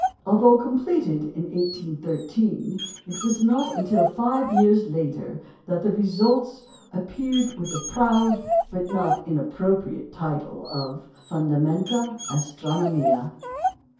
Although completed in 1813, it was not until five years later that the results appeared with the proud, but not inappropriate title of Fundamenta Astronomiæ.